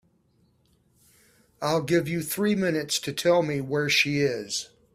I'll give you three minutes to tell me where she is.